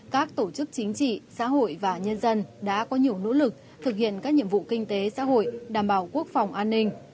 các tổ chức chính trị xã hội và nhân dân đã có nhiều nỗ lực thực hiện các nhiệm vụ kinh tế xã hội đảm bảo quốc phòng an ninh